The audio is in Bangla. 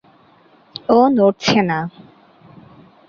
ও নড়ছে না।